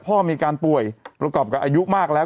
พ่อมีการป่วยประกอบกับอายุมากแล้ว